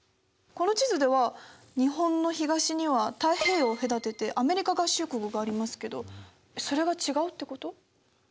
この地図では日本の東には太平洋を隔ててアメリカ合衆国がありますけどそれが違うってこと？